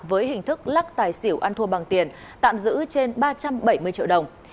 với hình thức lắc tài xỉu ăn thua bằng tiền tạm giữ trên ba trăm bảy mươi triệu đồng